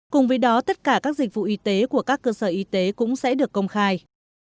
cùng với đó tất cả các dịch vụ y tế của các cơ sở y tế cũng sẽ được công khai